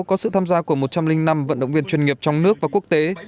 có sự tham gia của một trăm linh năm vận động viên chuyên nghiệp trong nước và quốc tế